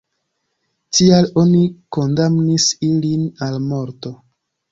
Tial oni kondamnis ilin al morto.